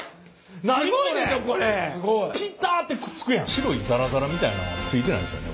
白いザラザラみたいのはついてないですよね。